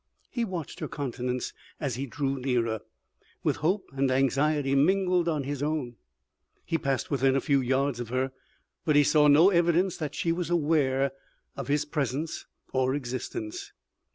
He watched her countenance as he drew nearer, with hope and anxiety mingled on his own. He passed within a few yards of her, but he saw no evidence that she was aware of his presence or existence.